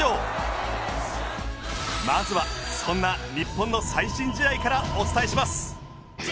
まずはそんな日本の最新試合からお伝えします。